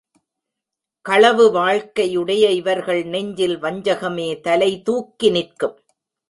களவு வாழ்க்கை உடைய இவர்கள் நெஞ்சில் வஞ்சகமே தலைதூக்கி நிற்கும்.